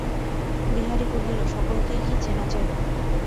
বিহারী কহিল, সকলকেই কি চেনা যায়।